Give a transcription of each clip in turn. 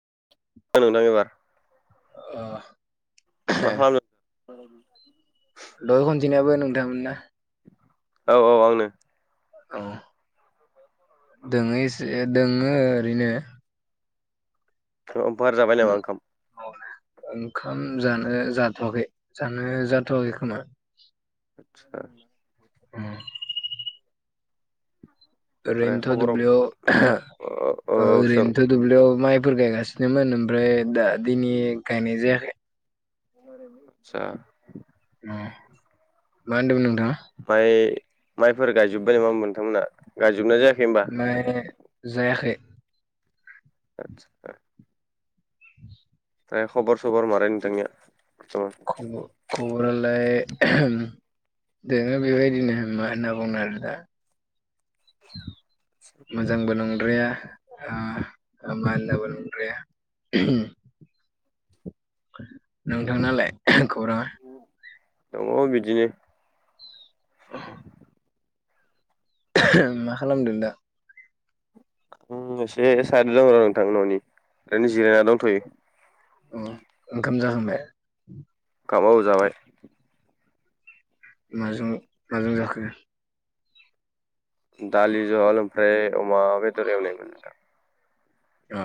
[unintelligible] अ [unintelligible] माहम [unintelligible] दहाय खनसेनियाबो नोंथांआनोमोन ना? औ औ आंनो। औ दङो एसे दोङो ओरैनो। बार जाबाय नामा ओंखाम? ओंखाम जानो जाथ'वाखै, जानो जाथ'वाखै खोमा। आतचा ह ओमफ्राय ओरैन्थ' खबर औ दुबलियाव सों औरैन्थ' दुबलियाव म - फोर गायगासिनोमोन ओमफ्राय दा दिनै गायनाय जायाखै। आतसा उ मा होनदोंमोन नोंथाङा? माइ माइफोर गायजोब्बाय नामा नोंथांमोनहा गायजोबनाय जायाखै होनोमबा। ओमफ्राय जायाखै आतचा [inaudible] ओमफ्राय खबर सबर मारै नोंथांनिया? खब खबरालाय दोङो बेबायदिनो मा होनना बुंगोन आरो दा। मोजांबो नं द्राया आ मानला बो नंद्राया नोंथांनालाय खौराङा। दङ बिदिनो। मा खालामदों दा? एसे साइद दं र नोंथां न'नि ओरैनो जिरायना दंथ'यो। उ ओंखाम जाखांबाय? औ जाबाय। माजों माजों जाखो? दालि जहल ओमफ्राय अमा बेदर एवनायमोन नोंथां। ओ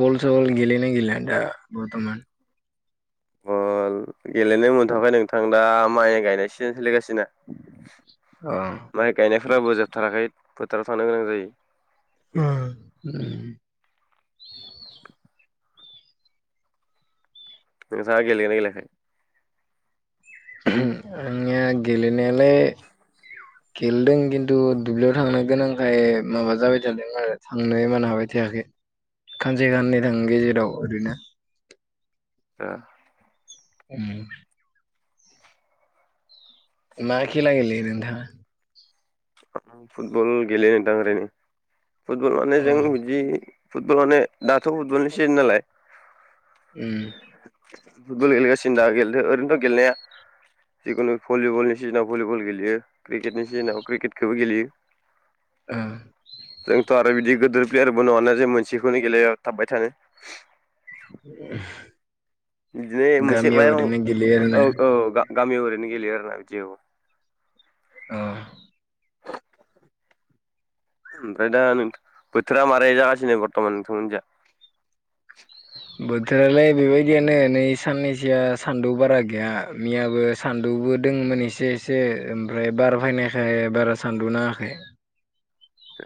बस सल गेलयोना गेलया दा बरथमान? बल गेलेनो मोनथ'वाखै नोंथां दा माइ गायनाय सिजेन सोलिगासिनो। अ फोरबो जोबथाराखै फोथाराव थानो गोनां जायो। अ नोंथांआ गेलेदोंना गेलेयाखै? आंनिया गेलेनायालाय खेलेदों खिन्थु दुब्लियाव थांनो गोनांखाय माबा जाबाय थादों आरो थांनो मोनहाबाय थायाखै। खानसे खाननि थां गेजेराव ओरैनो। ओ उ मा खेला गेलेयो नोंथां फुटबल गेलेयो नोंथां ओरैनो फुटबल माने अ जों बिदि फुटबलावनो दाथ फुटबलनि सिजोन नालाय उम फुटबल गेलेगासिनो दा गेलेदो ओरैनोथ' गेलेनाया जिखुनु भलिबलनि सिजोनाव भलिबल गेलेयो क्रिकेटनि सिजेनाव क्रिकेटखौबो गेलेयो जोंथ' [unintelligible] आरो बिदि गिदिर प्लेयारबो नंङाना जे मोनसेखौनो गेलेायाव थाबबाय थानो [inaudible] बिदिनो मोनसे गामियाव ओरैनो गेलेयो आरोना औ औ गामियाव ओरैनो गेलेयो आरो ना बिदियाव अ ओमफ्राय दा नोंथ बोथोरा मारै जागासिनो बर्थमान नोंथांमोननिया बोथोरालाय बेबायदियानो नै साननैसो बिथिया सान्दुं बारा गैया मैयाबो सान्दुंबो दोंङोमोन एसे एसे ओमफ्राय बार फाइना थाखाय बारा सान्दुं नांङाखै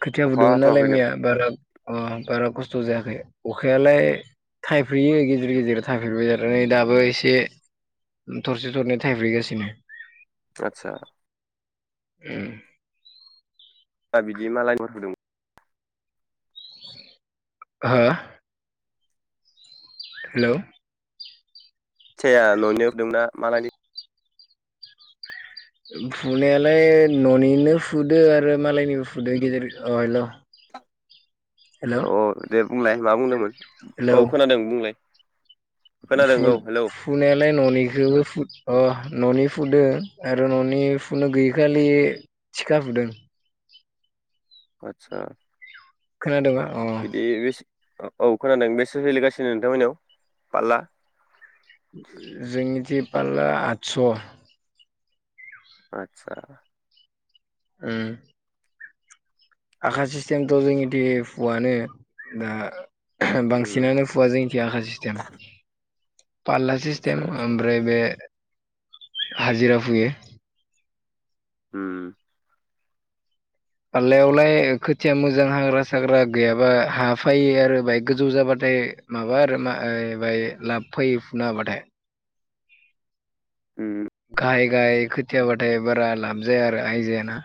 खोथिया अखा फुदोंमोन नालाय हाथ'वाखै नों मैया बारा अ बारा खस्थ' जायाखै अखायालाय थाइफ्रेयो गेजेर गेजेर थाइफ्रेबाय आरो नै दाबो एसे थरसे थरनै थायफ्रि गासिनो आतसा उम दा बिदि मालायनो होदों हा हेलौ खोथियाया ननिनो फुदोंमोनना मालायनि फुनायालाय ननिनो फुदो आरो मालायनिबो फुदो गेजेर गेजे अ हेलौ हेलौ अ दे बुंलाय मा बुंदोंमोन औ खोनादों बुंलाय खोनादों औ हेलौ फु-फुनायालाय ननिखौबो फु अ न'नि फुदो आरो ननि फुनो गैयिखालि थिखा फुदों आतसा खोनादोबा अ औ खोनादों बेसे सोलिगासिनो नोंथांमोननियाव पारला जोंनिथि पालला आदस आतसा उम आखा सिस्टेमथ' जोंनिथि फुवानो दा उम बांसिनानो फुवा जोंथि आखा सिस्टेम पालला आदसा सिस्टेम आदसा ओमफ्राय बे हाजिरा फुयो होम पाललायावलाय खोथिया मोजां हाग्रा साग्रा गैयाबा हा फायो आरो बाहाइ गोजौ जाबाथाय फ्राय माबा आरो मा ओइ लाब फायो फुनो हाबाथाय होम गाहाय गाहाय खोथियाबाथाय बारा लाब जाया आरो आयजायाना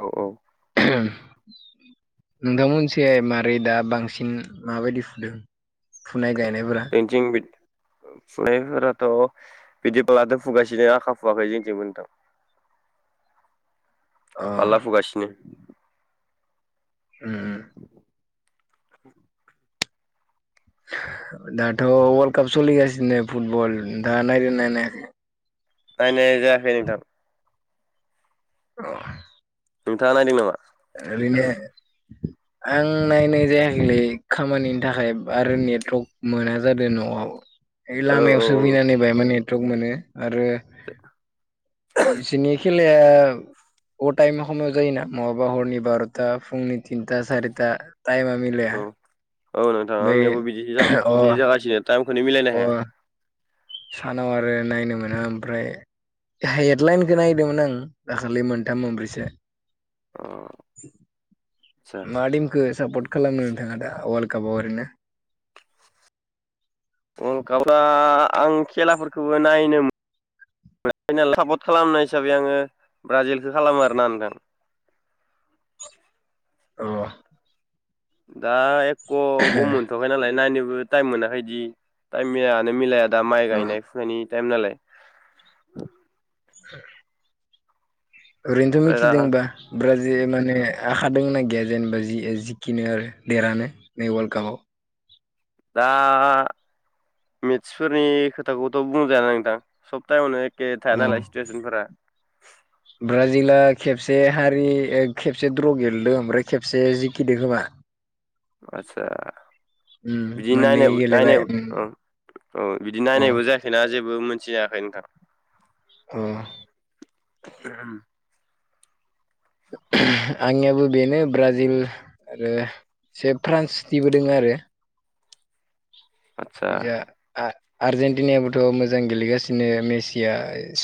औ औ [unintelligible] नोंथांमोनसे मारै दा बांसिन माबायदि फुदो फुनाय गायनायफोरा जोंनिथिं बि फुनायफोराथ' बिदिब्लाथ‌ फुगासेजो आखा फुवाखै जोंथिंबो नोंथां [inaudible] अ पाल्ला फुगासिनो ओम [inaudible] [inaudible] दाथ' वर्ल्ड काप सोलिगासिनो फुटबल दा नायदो ना नायाखै नायनाय जायाखै नोंथां औ। नोंथाङा नायदों नामा। ए बिनो आं नायनाय जायाखैलै खामानिनि थाखाय आरो नेटवर्मोना जादों न'आव ओइ औ औ लामायावसो फैनानै बाहायमान नेटवर्क मोनो आरो इसोरनि खेला [unintelligible] बा हरनि बारटा फुंनि थिनटा सारिटा टाइमा औ मिलाया औ नोंथां बै आंनियाबो बिदिसो अ बिदि जागासिनो टाइमखौनो अ मिलायनो हाया। सानाव आरो नायनो मोनो ओमफ्राय हेडलाइनखौ नायदोंमोन आं दाखालि मोनथाम मोनब्रैसो अ आदसा मा टिमखौ सापर्ट खालामनो नोंथाङा दा अवाल गावबा गाव आरोना। [unintelligible] सापर्ट खालामनाय हिसाबै आङो ब्राजिलखौ खालामो आरो ना नोंथां। औ। दा एख गम मोनथखै नालाय नायनोबो बो टाइम मोनाखैदि टाइमायानो मिलाया दा माइ अ गायनाय फुनायनि टयम नालाय। [inaudible] ओरैनोथ ओमफ्राय दा मिथिदोंबा ब्राजि जे माने आखा दोंना गैया जेनेबा जि ओ जिखिनो आरो देरानो नै वर्ल्ल्ड कापाव [inaudible] दा मेथ्सफोरनि खोथाखौथ बुंजाया नांथां सब टायमावनो अह ब्राजिला खेबसे हारि ओ खेबसे द्र गेलदों ओमफ्राय खेबसे जिखिदों खोमा आतसा उम बिदि मोननै नायनाय नायनाय गेलेबाय उम ओं औ बिदि अ नायनायबो जायाखैना जेबो जबो मोनथियाखै नोंथां। उमह आहोम [inaudible] आंनियाबो बेनो ब्राजिल आरो से फ्रान्सनिबो दोङो आरो आदसा जा आ आर्जेनटिनायाबोथ मोजां गेलेगासिनो मेचिया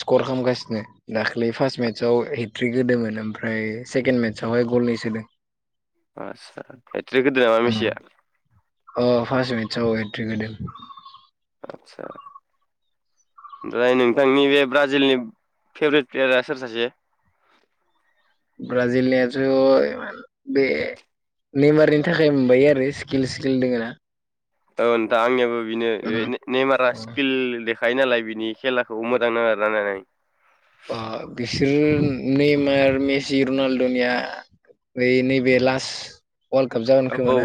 स्कर खालामगासिनो दाख्लै फार्स्ट मे मेत्सआव हेट्रिक होदोंमोन ओमफ्राय सेकेणड मेत्सआवहाय गलनै सोदों आस्चसा हेट्रिक होदो नामा मेसिया अ फार्सट मेत्स हेट्रिग होदों आचसा। ओमफ्राय नोंथांनि बे ब्राजिलनि फेभरेट प्लेयारा सोर सासे ब्राजिल नियाबोथ एमान बे नेमारनि थाखाय मोनबायो आरो स्किल स्किल दोङो ना औ नोंथां आंनियाबो बिनो बे नेमारा स्किल दे खायो नालाय बिनि खेलाखौ मोजां नाङो आरो नायनानै ओ बिसोर नेमार मेसि, रुनालदनिया बै नैबे लास औ औ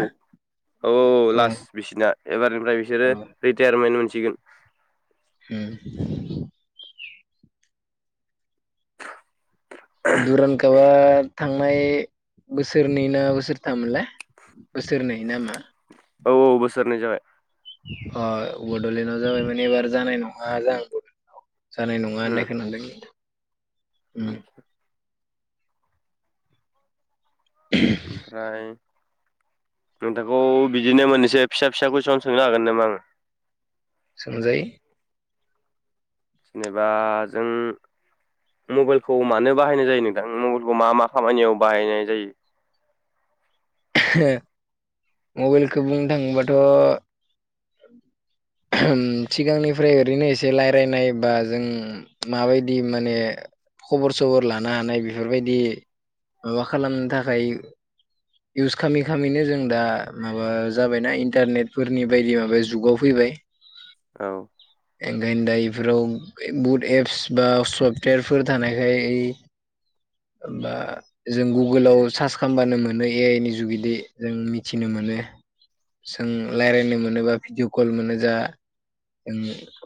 औ औ अ लास बिसिना एबारनिफ्राय बिसोरो अ रिटायारमेन्ट मोनस सिगोन। उम दुरन केबाद थांनाय बोसोरनै ना बोसोरथाम मोनलाय बोसोरनै ना मा? औ औ बोसोरनै जाबाय। अ' बडलेण्डआव जाबाय माने एबार जानाय नङा जां बडलेण्डआव। जानाय नङा उम होननाय खोनादों नोंथां उम। ओमफ्राय [inaudible] नोंथांखौ बिदिनो मोननैसो फिसा फिसा खुयस सोंनो हागोन नामा आङो? सों जायो। जेनेबा जों मबाइलखौ मानो बाहायनाय जायो नोंथां? मबाइलखौ मा मा खामानियाव बाहायनाय जायो? मबाइलखौ बुंनो थाङोबाथ' सिगांनिफ्राय ओरैनो एसे रायलायनाय बा जों माबायदि माने खबर सबर लानो हानाय बेफोरबायदि माबा खालामनो थाखाय इउस खामै खामैनो जों दा माबा जाबायना इन्टारनेट फोरनि बायदि माबा जुगाव फैबाय। ए औ ओंखायनो दा इफोराव एब बुट एप्स बा सफटेरफोर थानायखाय इ बा जों गुगोलाव सार्च खालामबानो मोन नो ए आइ नि जुगिदे जों मिथिनो मोनो। जों रायलायनो मोनो बा भिडिअ कल मोनो दा। उम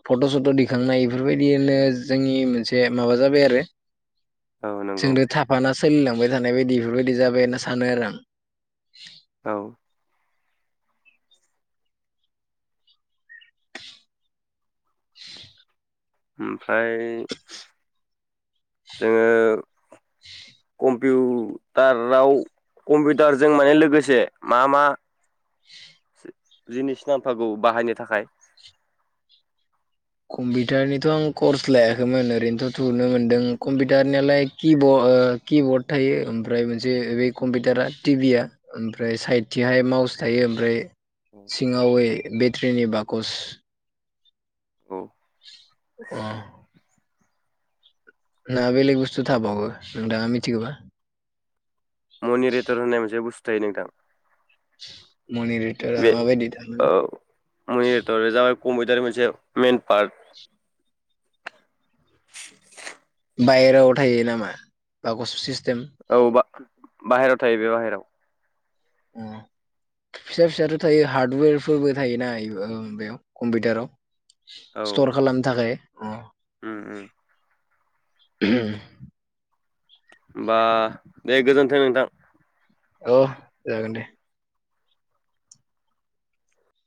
फट' सथ' दिखांनाय इफोरबायदिनो जोंनि मोनसे माबा जाबाय आरो। औ नंगौ जोंनो थाफाना सोलिलांबाय थानाय बायदि बेफोरबायदि जाबाय होनना सानो आरो आं‌। औ [inaudible] ओमफ्राय जोङो कम्पिउटाराव कम्पिउटारजों माने लोगोसे मा मा जिनिस नाम्फाखौ बाहायनो थाखाय? [inaudible] कम्पिउटारनिथ' आं कर्स लायाखैमोन ओरैनोथ' थुनो मोनदों कम्पिउटारनियालाय किबर्ड ओ किबर्ड थायो। ओमफ्राय मोनसे बे कम्पिटारा टि भि आ ओमफ्राय सायदथिहाय माउज थायो। ओमफ्राय सिङाव ए बेट्रिनि बाकस औ अ' ना बेलग बुस्थु थाबावो नोंथाङा मिथिगौबा? मनि रेटर होननाय मोनसे बुस्थु नोंथां। मनि रिथारा बे मा बायदि दाबा। कमपिटारनि मोनसे मेन पार्ट। बायहेरायाव थायो नामा बा गस औ बा-बाहेरायाव थायो बे बाहेराव। अ' फिसा फिसाथ' थायो हार्डवेरफोरबो थायोना ए औ बेयाव कम्पिउटाराव। औ सिथर खालामनो थाखाय उम उम [inaudible] होमबा दे गोजोन्थों नोंथां। ओ जागोन दे